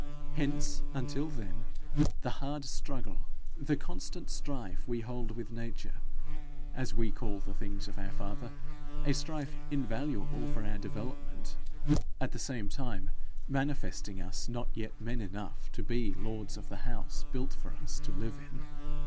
Hence, until then, the hard struggle, the constant strife we hold with Nature as we call the things of our father; a strife invaluable for our development, at the same time manifesting us not yet men enough to be lords of the house built for us to live in.